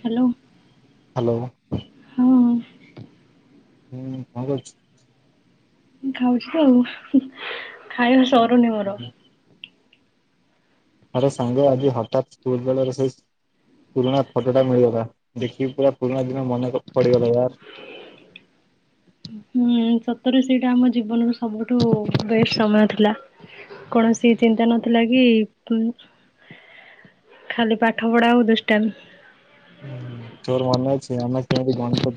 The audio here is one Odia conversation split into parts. ହାଲୋ। ହାଲୋ। ହୁଁ କଣ କରୁଛୁ? ଖାଉଛି ଆଉ। ଖାଇବା ସରୁନି ମୋର। ଆରେ ସାଙ୍ଗ ଆଜି ହଠାତ୍ ସ୍କୁଲ୍ ବେଳର ସେଇ ପୁରୁଣା ଫଟୋଟା ମିଳିଗଲା। ଦେଖିକି ପୁରା ପୁରୁଣା ଦିନ ମନେକ ପଡିଗଲା ୟାର। ହୁଁ ସତରେ ସେଇଟା ଆମ ଜୀବନର ସବୁଠୁ ବେଷ୍ଟ ସମୟ ଥିଲା। କୌଣସି ଚିନ୍ତା ନଥିଲା କି ପୁଁ ଖାଲି ପାଠ ପଢା ଆଉ ଦୁଷ୍ଟାମି।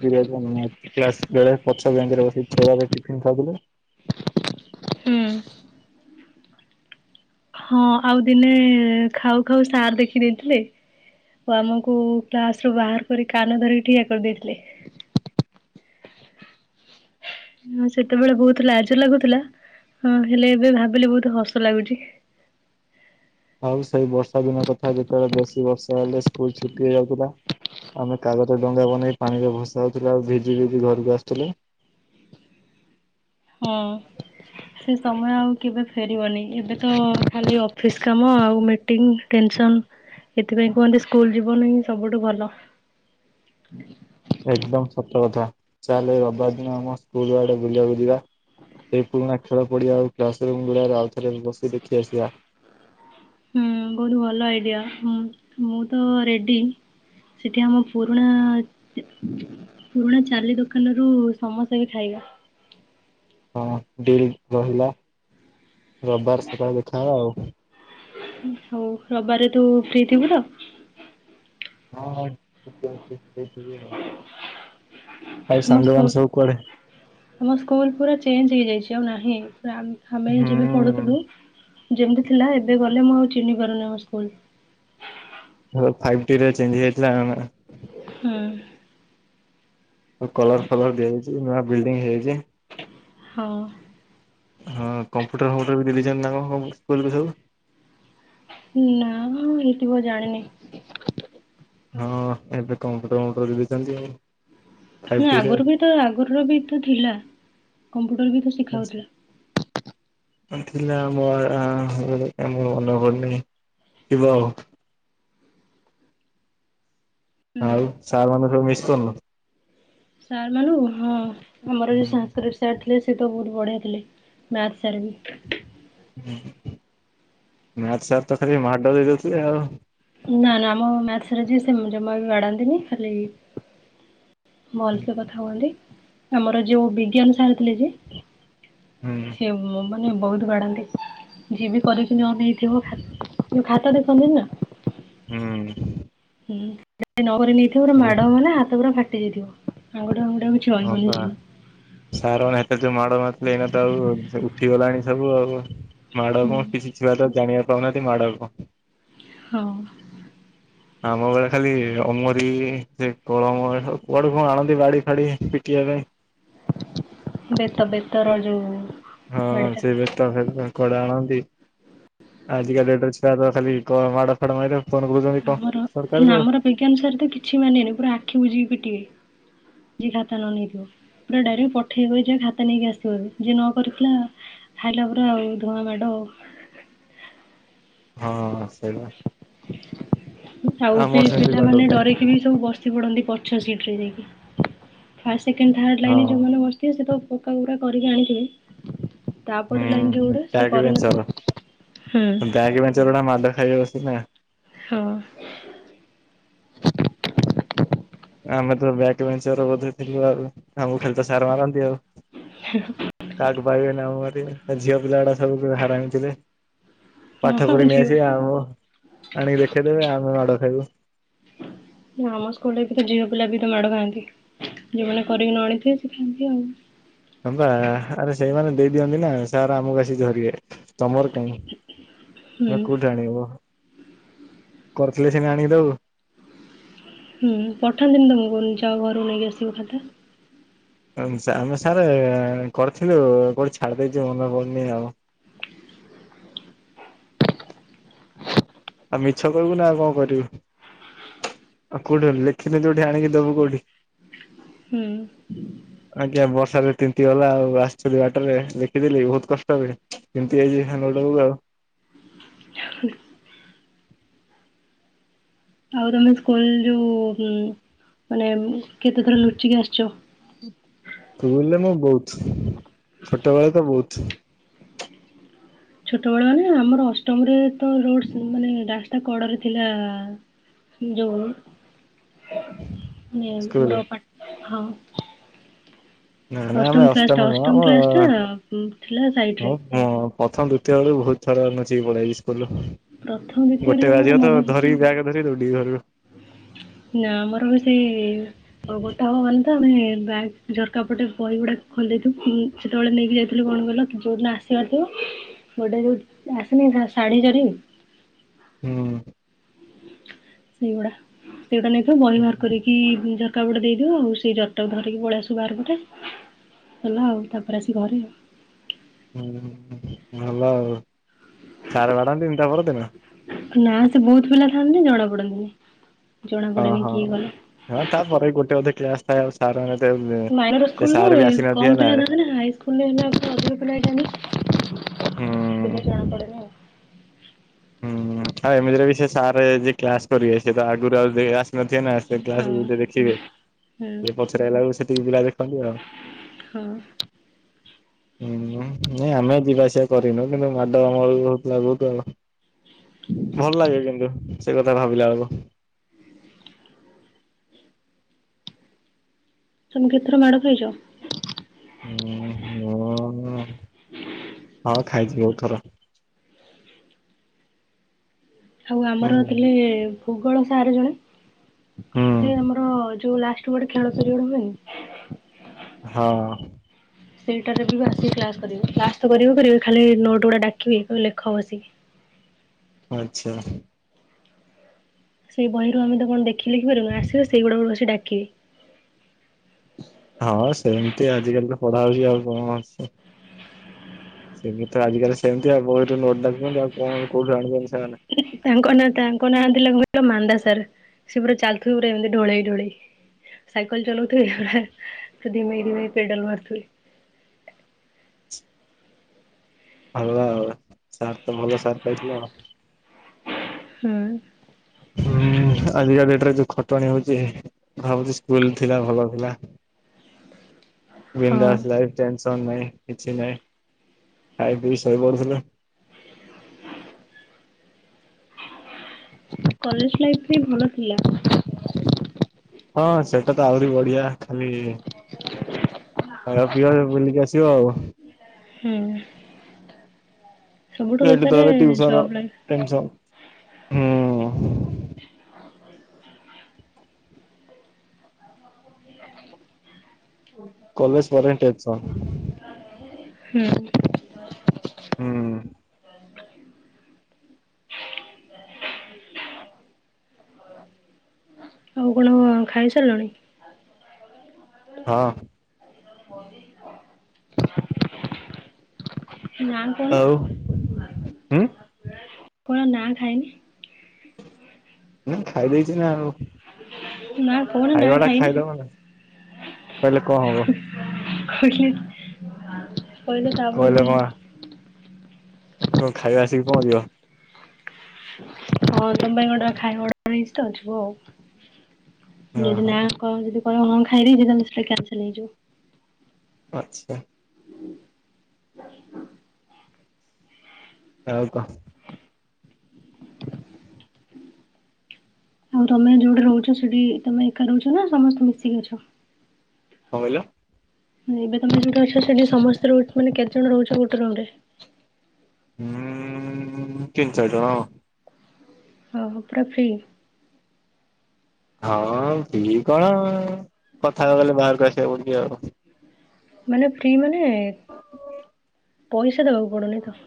[unintelligible] କ୍ଲାସ୍ ବେଳେ ପଛ ବେଞ୍ଚରେ ବସି ଚୋରାରେ ଟିଫିନ୍ ଖାଉଥିଲେ। ହୁଁ। ହଁ ଆଉ ଦିନେ ଖାଉ ଖାଉ ସାର୍ ଦେଖି ଦେଇଥିଲେ। ଓ ଆମକୁ କ୍ଲାସ୍ ରୁ ବାହାର କରି କାନ ଧରିକି ଠିଆ କରିଦେଇଥିଲେ। ହଁ ସେତେବେଳେ ବହୁତ ଲାଜ ଲାଗୁଥିଲା। ହଁ ହେଲେ ଏବେ ଭାବିଲେ ବହୁତ ହସ ଲାଗୁଛି। ଆଉ ସେଇ ବର୍ଷା ଦିନ କଥା ଯେତେବେଳେ ବେଶୀ ବର୍ଷା ହେଲେ ସ୍କୁଲ୍ ଛୁଟି ହେଇଯାଉଥିଲା। ଆମେ କାଗଜ ଡଙ୍ଗା ବନେଇ ପାଣି ରେ ଭସାଉ ଥିଲେ। ଆଉ ଭିଜି ଭିଜି ଘରକୁ ଆସୁଥିଲେ। ହଁ। ସେ ସମୟ ଆଉ କେବେ ଫେରିବନି ଏବେ ତ ଖାଲି ଅଫିସ୍ କାମ ଆଉ ମିଟିଙ୍ଗ ଟେନସନ୍। ଏଥିପାଇଁ କୁହନ୍ତି ସ୍କୁଲ୍ ଜୀବନ ହିଁ ସବୁଠୁ ଭଲ। ଏକଦମ୍ ସତ କଥା। ଚାଲେ ଏଇ ରବାର ଦିନ ଆମ ସ୍କୁଲ୍ ଆଡେ ବୁଲିବାକୁୁ ଯିବା। ସେ ପୁରୁଣା ଖେଳ ପଡିଆ ଆଉ କ୍ଲାସରୁୁମ୍ ଗୁଡାରେ ଆଉଥରେ ବସି ଦେଖି ଆସିବା। ହୁଁ, ବହୁତ ଭଲ ଆଇଡିଆ, ମୁଁ ମୁଁ ତ ରେଡି। ସେଠି ଆମ ପୁରୁଣା ପୁରୁଣା ଚାଲି ଦୋକାନରୁୁ ସମସ୍ତେ ବି ଖାଇବା। ହଁ ଡିଲ୍ ରହିଲା ରବବାର ସକାଳେ ଦେଖା ହବା ଆଉ। ହଉ ରବାରେ ତୁ ଫ୍ରି ଥିବୁ ତ? ହଁ ହଁ [unintelligible] ଫ୍ରୀ ଥିବି ଆଉ।। ଆଉ ଆମ ସ୍କୁଲ୍, ସାଙ୍ଗମାନେ ସବୁ କୁଆଡେ? ଆମ ସ୍କୁଲ୍ ପୁରା ଚେଞ୍ଜ ହେଇଯାଇଛି। ଆଉ ନାହିଁ ସେ ଆମ ଆମେ ହିଁ ଯେବେ ପଢୁଥୁଲୁ ହୁଁ ଯେମତି ଥିଲା ଏବେ ଗଲେ ମୁଁ ଆଉ ଚିହ୍ନି ପାରୁନି ଆମ ସ୍କୁଲ୍। ହଁ ଫାଇଭ୍ ଟି ରେ ଚେଞ୍ଜ ହେଇଯାଇଥିଲା ନା। ଉଁହୁ। ଓ କଲର୍ ଫଲର ଦିଆଯାଇଚି। ନୂଆ ବିଲ୍ଡିଂ ହେଇଯାଇଚି। ହଁ। ହଁ କମ୍ପୁଟର ଫମ୍ପୁଟର ବି ଦେଇ ଦେଇଚନ୍ତି ନା କଣ ଆମ ସ୍କୁଲ୍ କୁ ସବୁ। ନା ହେଇଥିବ ଜାଣିନି। ହଁ ଏବେ କମ୍ପୁଟର ଫମ୍ପୁଟର ଦେଇଛନ୍ତି ଆଉ। ଫାଇଭ୍ ନା ଟି ରେ ଆଗୁରୁ ବି ତ, ଆଗରୁ ବି ତ ଥିଲା କମ୍ପୁ ଟର ବି ତ ଶିଖାହଉଥିଲା। ହଁ ଥିଲା। ଆ ମୋର ଆ, ହେଲେ ଏ ମୋ ମନେ ପଡୁନି, ଥିବ ଆଉ। ହୁଁ ଆଉ ସାର୍ ମାନଙ୍କୁ ସବୁ ମିସ୍ କରୁନ। ସାର୍ ମାନଙ୍କୁ ହଁ ଆମର ଯୋଉ ସାନସକ୍ରିଟ ସାର୍ ଥିଲେ ସେ ତ ବୁ ବଡ଼ିଆ ଥିଲେ ମ୍ୟାଥ ସାରେ ବି, ଉଁ ହୁଁ ମ୍ୟାଥ୍ ସାର୍ ତ ଖାଲି ମାଡ ଦେଇଦଉଥିଲେ ଆଉ ନା ନା ଆମ ମ୍ୟାଥ ସାର୍ ଯେ ଜମା ବି ବାଡାନ୍ତିନି ଖାଲି ଭଲସେ କଥା ହୁହନ୍ତି ଆମର ଯୋଉ ବିଜ୍ଞାନ ସାର୍ ହୁଁ ସେ ମାନେ ବହୁତ ବାଡାନ୍ତି ଯିଏ ବି କରେ େଇଥିବ ଯୋଉ ଖାତା ଦେଖଛନ୍ତି ନା ହୁଁ। ହୁଁ ନ କରି ନେଇଥିବ ପୁରା ଓ ମାଡ଼ ହବ ହାତ ପୁରା ଫାଟି ଯାଇଥିବ। ଆଉ କିଛି ହ ରହିବନି ବା ସେଦିନ। ସାରନ ହେତି ଯ ମାଡ଼ ଏଇନା ତ ଆଉ ଉଠି ଗଲାଣି ସବୁ ଆଉ ମାଡ ହୁଁ କଣ କିଛି ଛୁଆ ତ ଜାଣିବା ପ୍ରଣତି ମାଡ କୁ ହଁ ଅଁ ଆମ ବେଳେ ଖାଲି ଅମରି ସେ କଳମ ସବୁ କୁଆଡେ କଣ ଆଣନ୍ତି ବାଡ଼ି ଫାଡି଼। ପିଟିବା ପାଇଁ ବେତ ବେତ ର ଯୋଉ ହଁ ବାଡିଟା ସେବେତ କଡ଼ା। ଜ ଆଜିକା ଡେଟ୍ ଛୁଆ ତ ଖାଲି ମାଡ଼ ଫାଡ଼ ମାଇଲ ଆମର ଆମର ବିଜ୍ଞାନ ସାର୍ ତ କିଛି ମାନିବେନି ପୁରା ଆଖି ବୁଝିକି ପିଟିବେ। ଯିଏ ଖାତା ନ ନେଇ ଥିବ। ପୁରା ଡାଇରେକ୍ଟ ପଠେଇବେ କି ଯ ଖାତା ନେଇକି ଆସିବ ଯିଏ ନ କରିଥିଲା। ଖାଇଲା ପରା ଆଉ ଧୂଆଁ ମାଡ଼ ଆଉ ହଁ ସେଇବା ଆଉ ବି ପିଲାମାନେ ଡରିକି ବି ସବୁ ବସି ପଡନ୍ତି ପଛ ସିଟରେ ଯାଇକି। ଫାଷ୍ଟ ସେକଣ୍ଡ ଥାର୍ ହଁ ଲାଇନ ଯୋଉମାନେ ବସିଥିବେ ସେ ତ ପୋକ ଗୁଡା କରିକି ଆଣିଥିବେ। ତାପରେ ଲାଇନ ହୁଁ ଯୋଉଗୁଡା ସେ ଟ୍ୟାଗ କରିନଥିବେ ବେଞ୍ଚର ବ୍ୟାଗ ବେଞ୍ଚରର ମାଡ ଖାଇବା ବସି ନା ହଁ ଆମେ ତ ବ୍ୟାକ୍ ବେଞ୍ଚର ବୋଧେ ଥିଲୁ ଆଉ ଆମକୁ ଖାଲି ତ ସାର ମାରନ୍ତି ଆଉ। କା କୁ ପାଇବେନି ଆମ କୁ ବାଡ଼େଇ ବେ ଝିଅ ପିଲା ଗୁଡ଼ା ସବୁ ହାରାମି ଥିଲେ। ପାଠ ହଁ କରି ଝିଅ ନେଇଆସିବେ ଆଉ ଆଣିକି ଦେଖେଇଦେବେ ଆମେ ମାଡ ଖାଇବୁ। ନା ଆମ ସ୍କୁଲରେ ବି ତ ଝିଅ ପିଲା ବି ମାଡ଼ ଖାଆନ୍ତି। ଯୋଉ ମାନେ କରିକି ନଆଣିଥିବେ ସେ ଖାଆନ୍ତି ଆଉ। ହଁ ପା ଆରେ ସେଇମାନେ ଦେଇ ଦିଅନ୍ତି ନା ସାର ଆମକୁ ଆସିକି ଧରିବେ। ତମର କଣ ହୁଁ ତମେ କୋଉଠୁ ଆଣିବ? କରିଥିଲେ ସିନା ଆଣିକି ଦବୁ ହୁଁ ପଠାନ୍ତିିନ ତମକୁ ଯା ଘରୁ ନେଇକି ଆସିବ ଖାତା ଆମେ ସାର୍ କରିଥିଲୁ କୋଉଠି ଛାଡି ଦେଇେଇଛୁ ମନେ ପଡୁନି ଆଉ [inaudible] ଆଉ ମିଛ କହିବୁନୁ ଆଉ କଣ କରିବୁ। ଆଉ କୋଉଠି ଲେଖିନି ଯୋଉଠି ଆଣିକି ଦବୁ କୋଉଠି ହୁଁ ଆଜ୍ଞା ବର୍ଷ ତିନ୍ତି ଗଲା ଆଉ ଆସିଥିଲୁ ବାଟରେ ଦେଖିଦେଲି ବହୁତ କଷ୍ଟହୁଏ ତିନ୍ତି ଯାଇଛି ସାଙ୍ଗ [unintelligible] [inaudible] ଆଉ ତମେ ସ୍କୁଲ ଯୋଉ ମାନେ ଉଁ କେତେଥର ଲୁଚିକି ଆସିଛ। ଛୋଟ ବେଳେ ତ ବହୁତ୍ ଛୋଟ ବେଳ ମାନେ ଆମର ଅଷ୍ଟମରେ ତ ରୋଡ ମାନେ ରାସ୍ତା କଡ଼ରେ ଥିଲା। ଯଉାନେ ସ୍କୁଲ ଆମର ପା ହଁ [inaudible] ନା ନା ଆମେ କ୍ଲାସ ଟା ଅଷ୍ଟମ ନୁହଁ ଉ କ୍ଲାସ ଟା ଥିଲା ସାଇଡ ରେ। ଆଉ ଅଁ ପ୍ରଥମ ଦୁତୀୟ ବେଳୁ ବହୁତ ଥରେ ନୁଚିକି ପଳେଇ ଆଇଲି ସ୍କୁଲରୁ। ପ୍ରଥମ ଦ୍ଵିତୀୟରେ ଗୋଟେ ମୋର ବାଜିବ ତ ମନେ ଧରି ବ୍ୟାଗ ଧରି ଦୌ ବି [unintelligible] ନା ଆମର ବି ସେଇ ଅ ଗୋଟା ହବନି ତ ମାନେ ବ୍ୟାଗ ଝରକା ପଟେ ବହି ଗୁଡାକ ଖୋଲି ଦେଇଥିବୁ ଉଁ ଉଁ ସେତେବେଳେ ନେଇକି ଯାଇଥିଲୁ କଣ କହିଲ ଯୋଉ ଦିନ ଆସିବା ଆସିବ ଗୋଟେ ଯୋଉ ଆସେନି ଶା-ଶାଢୀ ଜରି ହୁଁ। ସେଇଗୁଡା ସେଇଗୁଡା ନେଇାଥିବ ବହି ବାହାର କରିକି କା ପଟେ ଦେଇଦଉ ଆଉ ସେଇ ଜରିଟାକୁ ଧରିକି ପଳେଇ ଆସୁ ବାହାର ପଟେ। ହେଲା ଆଉ ତାପରେ ଆସି ଘରେ ଆଉ। ହୁଁ ହୁଁ ହୁଁ ଭଲ ଆଉ। ସାର ବାଡ଼ାନ୍ତିନି ତା ପରଦିନ? ନା ସେ ବହୁତ ପିଲା ଥାଆନ୍ତି ଜଣା ପଡନ୍ତି ନି। ଅ ହଁ ହଁ ତାପରେ ଗୋଟେ ଅଧେ କ୍ଲାସ ଥାଏ ଆଉ ସାର ଙ୍କ ମାଇନର ସ୍କୁଲ ରେ କମ ପିଲା ଯାଆନ୍ତି ନା ହାଇସ୍କୁଲ ରେ ହେଲା ତ ଅଧିକ ପିଲା ହେଇ ଯାଆନ୍ତି। ହୁଁ [unintelligible] ହୁଁ ଆଉ ଏମିତି ରେ ବି ସେ ସାର ଯେ କ୍ଲାସ କରିବେ ସିଏ ତ ଆଗରୁ ଆଉ ନଥିବେ ନା ସେ ହଁ କ୍ଲାସ କୁ ଟିକେ ଦେଖିବେ। ହଁ ଇଏ ପଚାରି ଆଇଲା ବେଳୁକୁ ସେତିକି ପିଲା ଦେଖନ୍ତି ଆଉ। ଅ ହୁଁ ନାଇଁ ଆମେ ଯିବା ଆସିବା କରି ନୁ କିନ୍ତୁ ମାଡ ଆମର ବି ହଉଥିଲା ବହୁତ। ଭଲ ଲାଗେ କିନ୍ତୁ ସେ କଥା ଭାବିଲା ବେଳକୁ। ତମେ କେତଥର ମାଡ ଖାଇଛ? ଓ ହୋ ହୁଁ ହଉ ଖାଇଛି ବୋହୁତ ଥର। ଆଉ ଆମର ଥିଲେ ହୁଁ ଭୂଗୋଳ ସାର ଜଣେ ସେ ଆମର ଯୋଉ ଲାଷ୍ଟ ଗୋଟେ ଖେଳ ପିରିୟଡ ହୁଏନି। ହଁ। ସେଇଟାରେ ବି ଆସିକି କ୍ଲାସ କରିବେ କ୍ଲାସ ତ କରିବେ କରିବେ ଖାଲି ନୋଟ ଗୁଡା ଡାକିବେ କହିବେ ଲେଖ ବସିକି। ଆଚ୍ଛା। ସେଇ ବହିରୁ ଆମେ ତ କଣ ଦେଖି ଲେଖିପାରୁନୁ ଆସିବେ ସେଇଗୁଡାକ ବସି ଡାକିବେ। ହଁ ସେମିତି ଆଜିକାଲି ତ ପଢା ହଉଛି ଆଉ କଣ ଅଛି? ସେମିତି ତ ଆଜିକାଲି ସେମିତି ଆଉ ବହିରୁ ନୋଟ ଡାକୁଛନ୍ତି ଆଉ କଣ କୋଉଠୁ ଆଣିବେ? ତାଙ୍କ ନା ତାଙ୍କ ନା ଥିଲା [inaudible] ପୁରା ମାନ୍ଦା ସାର୍ ସେ ପୁରା ଚାଲୁଥିବେ ପୁରା ଏମିତି ଢ଼ୋଳେଇ ଢୋଳେଇ। ସାଇକଲ ଚଲଉଥିବି ହା ହା ଅ ଧିମେଇ ଧିମେଇ ପେଡାଲ ମାରୁଥିବି। [unintelligible] ହାଲୋ ଆଉ ସାର୍ ତ ଭଲ ସାର୍ ପାଇଥିଲ। ହୁଁ। ହୁଁ ଆଜିକା ଡେଟରେ ଯୋଉ ଖଟଣି ହଉଛି ଭାବୁଛି ସ୍କୁଲ ଥିଲା ଭଲ ଥିଲା। ହଁ। ବିନ୍ଦାସ ଲାଇଫ [inaudible] ନାଇଁ କିଛି ନାଇଁ ଖାଇ ପିଇ ସୋଇପଡୁଥିଲୁ। [unintelligible] କଲେଜ ଲାଇଫ ବି ଭଲ ଥିଲା। ହଁ ସେଟା ତ ଆହୁରି ବଢିଆ ଖାଲି ଖାଇବ ପିଇବ ବୁଲିକି ଆସିବ ଆଉ। ହୁଁ। ସବୁଠୁ ଏଇନେ ତ ବେକାରେ ହେଲେ ଟିଉସନ ଜବ୍ ଲାଇଫ୍। ଟେନସନ ହୁଁ। କଲେଜ ପରେ ଟେନସନ। ହୁଁ। ହୁଁ। ଆଉ କଣ ଖାଇ ସାରିଲଣି? ହଁ। ନା କହୁନ ଆଉ ହୁଁ, କଣ ନା ଖାଇନି? ମୁଁ ଖାଇ ଦେଇଚି ନା ଆଉ। ନା କଣ ନା ଖାଇବା ଟା ଖାଇନି ଖାଇଦବ ନା, କହିଲେ କଣ ହବ। [unintelligible] କଇଲେ ତାପରକୁ ମୁଁ ଓ ଖାଇବା ଆସିକି ପହଞ୍ଚିବ। ହଁ ତମ ପାଇଁ କଟ ଖାଇବାଡ [unintelligible] ଅିବୁ ଆଉ ହଁ ଯଦି ନା ହଁ କଣ ଯଦି ପରେ [unintelligible] ଖାଇ ଦେଇ କ୍ୟାନସଲ ହେଇଯିବ ଆଚ୍ଛା। ଆଉ କ ଆଉ ତମେ ଯୋଉଠି ରହୁଛ ସେଠି ତମେ ଏକା ରହୁଛ ନା ସମସ୍ତେ ମିଶିକି ଅଛ? କଣ କହିଲ? ଏବେ ତମେ ଅଛ ସେଠି ସମସ୍ତେ ରହୁ ମାନେ କେତେ ଜଣ ରହୁଛ ଗୋଟେ ରୁମରେ -? ହ ତିନି ଚାରି ଜଣ। ଆଉ ପୁରା ଫ୍ରି ହଁ କଣ କଥା ହବା ଗଲେ ବାହାରକୁ ଆସିବାକୁ ପଡଛି ଆଉ ମାନେ ଫ୍ରି ମାନେ ପଇସା ଦବାକୁ ପଡୁନି ତ?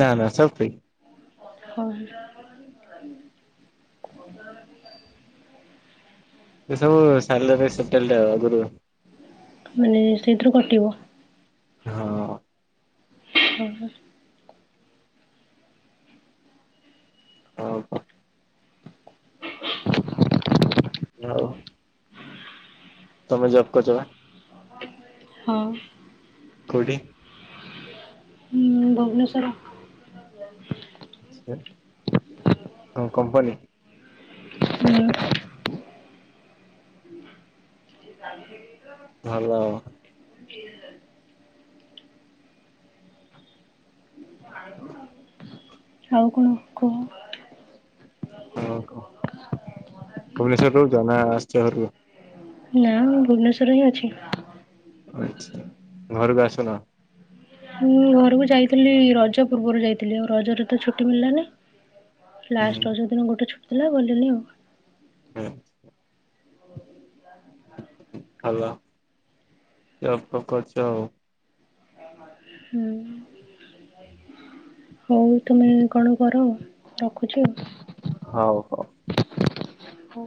ନା ନା ସବୁ ଫ୍ରି। ହଁ ଏ ସବୁ ସାଟଲଟ [unintelligible] ଆଗରୁ ମାନେ ସେଇଥିରୁ କଟିବ। ହଁ ହଁ ହଉ କ ହ ତମେ ଜପକଛ [unintelligible] ହଉଁ ହ ଭୁବନେଶ୍ୱର। ଆଛା, କମ୍ପାନୀ ହୁଁ ଭଲ ହ [inaudible] ଆଉ କଣ କୁହ? ହ କହ ଭୁବନେଶ୍ଵରରୁ ରହୁଛ, ନା ଆସିଛ ଘରକୁ ନା ମୁଁ ଭୁବନେଶ୍ଵରରେ ହିଁ ଅଛି। ଆଛା, ଘରକୁ ଆସୁନ ମୁଁ ଘରକୁ ଯାଇଥିଲି ରଜ ପୂର୍ବରୁ ଯାଇଥିଲି ଆଉ ରଜରେ ତ ଛୁଟି ମିଳିଲାନି। ହୁଁ ଲାଷ୍ଟ ରଜ ଦିନ ଗୋଟେ ଛୁଟି ଥିଲା, ଗଲିନି ଆଉ ହୁଁ ହାଲୋ। ଆ କରଛଉ ହୁଁ [unintelligible] ହଉ ତମେ କଣ କର, ରଖୁଛି ଆଉ ହଉ ହଉ। ହଁ